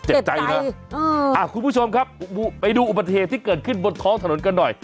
มันจับใจนะอ่าคุณผู้ชมครับอุปเทศที่เกิดขึ้นบนท้องถนนกันหน่อย